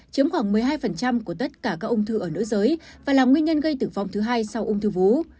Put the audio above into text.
chiếm khoảng một mươi hai của tất cả các ung thư ở nữ giới và là nguyên nhân gây tử vong thứ hai sau ung thư vú